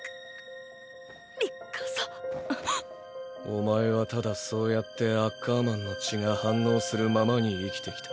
⁉お前はただそうやってアッカーマンの血が反応するままに生きてきた。